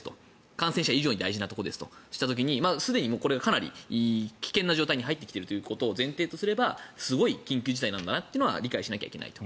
感染者数以上に大事ということになった時にすでにこれが危険な状態に入ってきているということを前提にすればすごい緊急事態なんだなというのは理解しないといけないと。